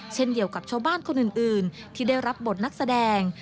เช่นเดียวกับชาวบ้านคนอื่นที่ได้รับบทนักแสดง